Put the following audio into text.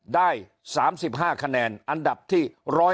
ได้๓๕คะแนนอันดับที่๑๕